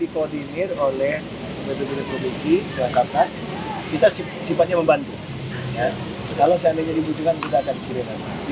kepada bapak ibu kita sifatnya membantu kalau seandainya dibutuhkan kita akan kirimkan